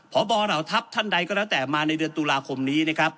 พบเหล่าทัพท่านใดก็แล้วแต่มาในเดือนตุลาคมนี้นะครับ